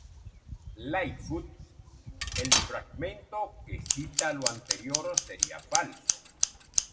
Lightfoot el fragmento que cita lo anterior sería falso.